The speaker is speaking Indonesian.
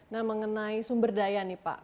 nah mengenai sumber daya nih pak